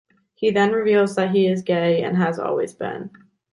He then reveals that he is gay, and has always been.